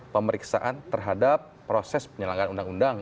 pemeriksaan terhadap proses penyelenggaraan undang undang